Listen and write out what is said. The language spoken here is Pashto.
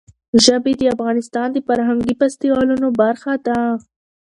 ژبې د افغانستان د فرهنګي فستیوالونو برخه ده.